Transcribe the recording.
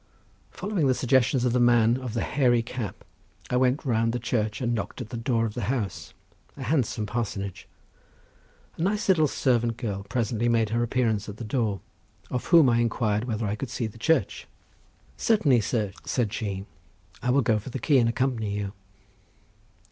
Following the suggestions of the man of the hairy cap, I went round the church and knocked at the door of the house, a handsome parsonage. A nice little servant girl presently made her appearance at the door, of whom I inquired whether I could see the church. "Certainly, sir," said she; "I will go for the key and accompany you."